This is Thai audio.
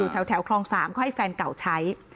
อยู่แถวครอง๓ก็ให้แฟนเก่าใช้